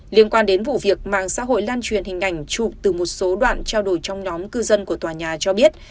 liên quan đến vụ việc mạng xã hội lan truyền hình ảnh chụp từ một số đoạn trao đổi trong nhóm cư dân của tòa nhà cho biết